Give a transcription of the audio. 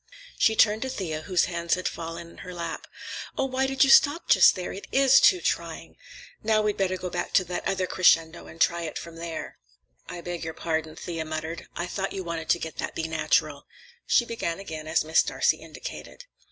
She turned to Thea, whose hands had fallen in her lap. "Oh why did you stop just there! It is too trying! Now we'd better go back to that other crescendo and try it from there." "I beg your pardon," Thea muttered. "I thought you wanted to get that B natural." She began again, as Miss Darcey indicated.